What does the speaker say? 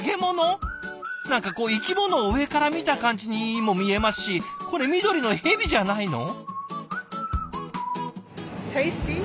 何かこう生き物を上から見た感じにも見えますしこれ緑のヘビじゃないの？